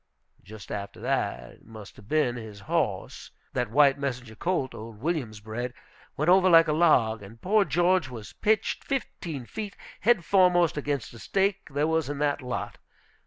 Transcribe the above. Just after that, it must have been, his horse that white Messenger colt old Williams bred went over like a log, and poor George was pitched fifteen feet head foremost against a stake there was in that lot.